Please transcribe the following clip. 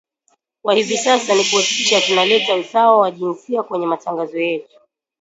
kwa hivi sasa ni kuhakikisha tuna leta usawa wa jinsia kwenye matangazo yetu